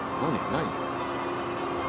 何？